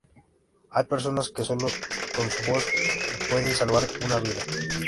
Hay personas que sólo con su voz, pueden salvar una vida.